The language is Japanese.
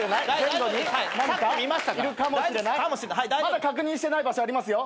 まだ確認してない場所ありますよ